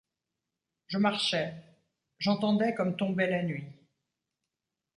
Je marchais ; j'entendais, comme tombait la nuit